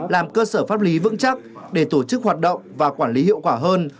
làm cơ sở pháp lý vững chắc để tổ chức hoạt động và quản lý hiệu quả hơn